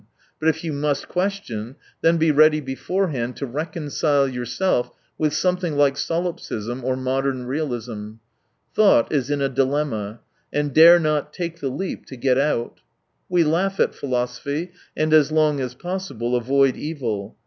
But if you must question, then be ready beforehand to reconcile yourself with something like soUipsism or modern realism. Thought is in a dilemma, and dare not take the leap to get out. We laugh at philosophy, and, as long as ^possible, avoid evil.